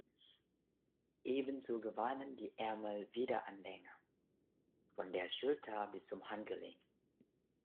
Ebenso gewannen die Ärmel wieder an Länge, von der Schulter bis zum Handgelenk.